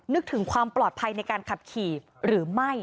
นึกถึงความปลอดภัยในการขับขี่หรือไม่